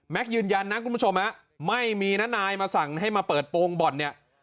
ยืนยันนะคุณผู้ชมไม่มีนะนายมาสั่งให้มาเปิดโปรงบ่อนเนี่ย